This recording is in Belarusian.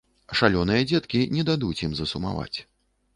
Шалёныя дзеткі не дадуць ім засумаваць.